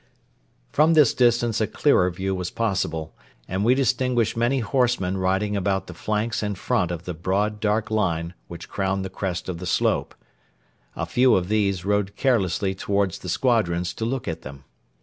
From this distance a clearer view was possible, and we distinguished many horsemen riding about the flanks and front of the broad dark line which crowned the crest of the slope. A few of these rode carelessly towards the squadrons to look at them.